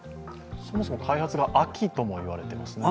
そもそも開発が秋とも言われていますね。